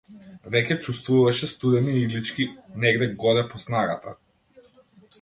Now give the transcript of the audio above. Веќе чувствуваше студени иглички негде-годе по снагата.